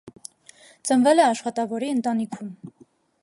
Ծնվել է աշխատավորի ընտանիքում։